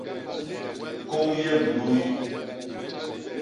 Kôñ yem nuy!